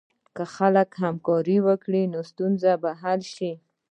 که خلک همکاري وکړي، نو ستونزه به حل شي.